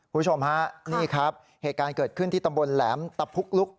คุณผู้ชมฮะนี่ครับเหตุการณ์เกิดขึ้นที่ตำบลแหลมตะพุกลุก